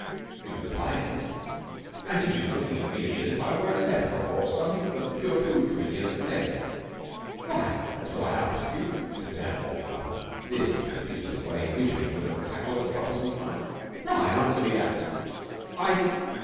"You've implied it. And you've been looking at me as if I were a leper or something the Pure Food Committee has condemned. Why? That's what I ask you," said Sam, warming up. This, he fancied, was the way Widgery would have tackled a troublesome client. "Why? Answer me that!" "I...."